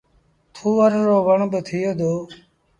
ٿُور رو وڻ با ٿئي دو۔